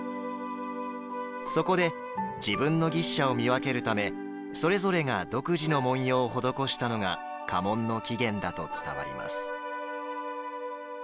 そこで自分の牛車を見分けるためそれぞれが独自の紋様を施したのが家紋の起源だと伝わります。